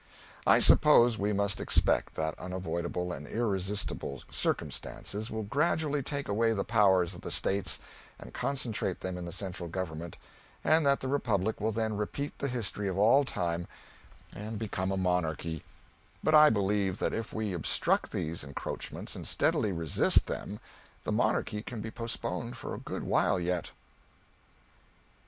I suppose we must expect that unavoidable and irresistible Circumstances will gradually take away the powers of the States and concentrate them in the central government, and that the republic will then repeat the history of all time and become a monarchy; but I believe that if we obstruct these encroachments and steadily resist them the monarchy can be postponed for a good while yet.